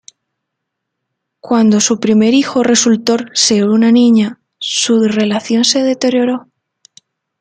Cuando su primer hijo resultó ser una niña, su relación se deterioró.